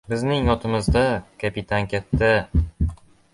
— Bizning otimiz-da, kapitan katta.